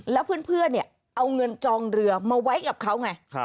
แล้วเพื่อนเอาเงินจองเรือมาไว้กับเขาไง